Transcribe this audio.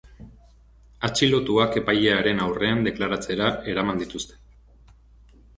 Atxilotuak epailearen aurrean deklaratzera eraman dituzte.